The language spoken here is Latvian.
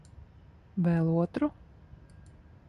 Vēl otru?